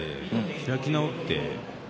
開き直って。